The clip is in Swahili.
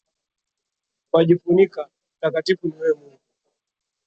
Wajifunika, mtakatifu ni wewe Mungu